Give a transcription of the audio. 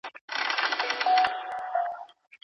بریا یوازي د ډېر لیاقت په درلودلو سره نه ترلاسه کېږي.